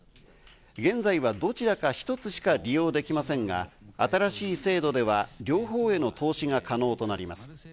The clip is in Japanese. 現在はどちらか一つしか利用できませんが、新しい制度では両方への投資が可能となります。